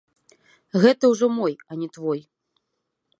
Гэта ўжо мой, а не твой.